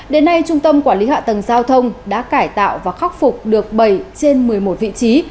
đến nay trung tâm quản lý hạ tầng giao thông đã cải tạo và khắc phục được bảy trên một mươi một vị trí